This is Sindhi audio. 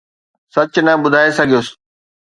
سچ نه ٻڌائي سگهيس.